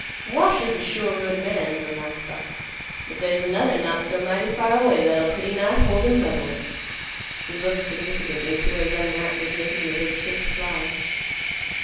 "Wash is a sure good man," remarked Buck, "but there's another not so mighty far away that'll pretty nigh hold, him level." He looked significantly to where Young Matt was making the big chips fly.